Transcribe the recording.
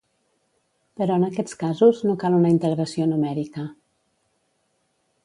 Però en aquests casos no cal una integració numèrica.